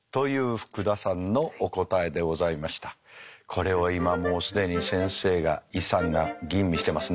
これを今もう既に先生がイさんが吟味してますね。